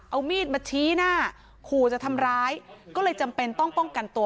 เอามีดมาชี้หน้าขู่จะทำร้ายก็เลยจำเป็นต้องป้องกันตัว